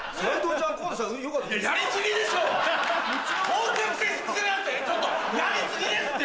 ちょっとやり過ぎですって！